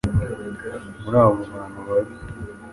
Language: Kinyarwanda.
muri abo bantu babi.